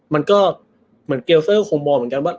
มันก็เหมือนเกลเซอร์ก็คงมองเหมือนกันว่า